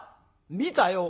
「見たよ」。